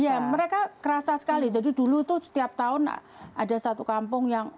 iya mereka kerasa sekali jadi dulu itu setiap tahun ada satu kampung yang